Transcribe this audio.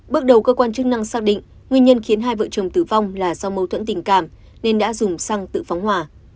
bước đầu cơ quan chức năng xác định nguyên nhân khiến hai vợ chồng tử vong là do mâu thuẫn tình cảm nên đã dùng xăng tự phóng hỏa